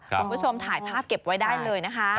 คุณผู้ชมถ่ายภาพเก็บไว้ได้เลยนะคะ